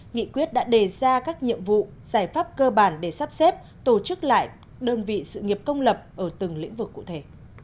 nghị quyết đã đề ra các nhiệm vụ giải pháp cơ bản để sắp xếp tổ chức lại đơn vị sự nghiệp công lập ở từng lĩnh vực cụ thể